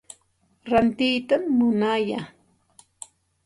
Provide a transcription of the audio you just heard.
Rantiytam munaya.